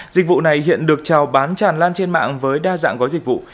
dịch vụ này hiện được trào bán tràn lan trên mạng với đa dạng gói dịch vụ